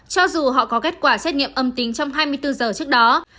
cho dù họ có kết quả xét nghiệm âm tính trong hai mươi bốn giờ trước đó